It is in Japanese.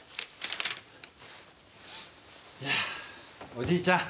おじいちゃん。